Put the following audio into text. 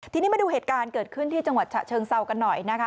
ทีนี้มาดูเหตุการณ์เกิดขึ้นที่จังหวัดฉะเชิงเซากันหน่อยนะคะ